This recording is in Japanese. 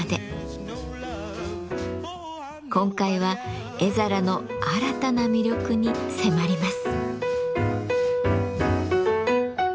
今回は絵皿の新たな魅力に迫ります。